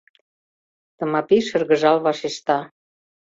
— Тымапи шыргыжал вашешта.